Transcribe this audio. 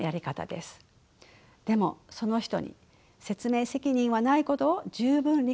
でもその人に説明責任はないことを十分理解した上で聞いてくださいね。